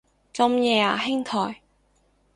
咁夜啊兄台